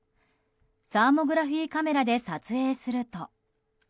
サーモグラフィーカメラで撮影すると。